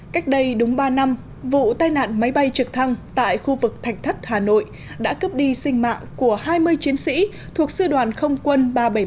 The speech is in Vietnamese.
cách đây đúng ba năm vụ tai nạn máy bay trực thăng tại khu vực thạch thất hà nội đã cướp đi sinh mạng của hai mươi chiến sĩ thuộc sư đoàn không quân ba trăm bảy mươi một